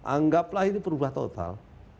anggaplah ini berubah total